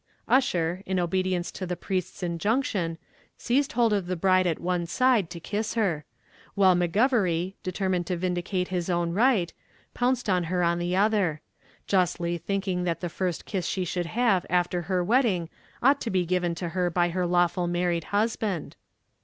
Ussher, in obedience to the priest's injunction, seized hold of the bride at one side, to kiss her; while McGovery, determined to vindicate his own right, pounced on her on the other; justly thinking that the first kiss she should have after her wedding ought to be given to her by her lawful married husband.